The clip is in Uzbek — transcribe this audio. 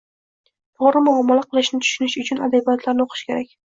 to‘g‘ri muomala qilishni tushunish uchun adabiyotlarni o‘qishi kerak.